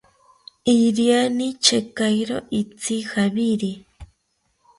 Iriani chekairo itzi javiri